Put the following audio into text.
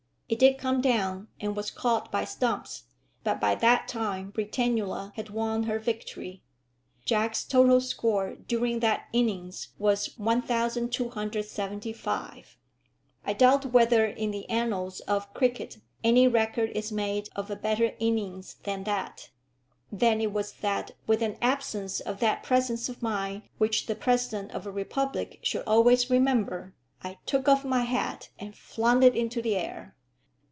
It did come down, and was caught by Stumps, but by that time Britannula had won her victory. Jack's total score during that innings was 1275. I doubt whether in the annals of cricket any record is made of a better innings than that. Then it was that, with an absence of that presence of mind which the President of a republic should always remember, I took off my hat and flung it into the air.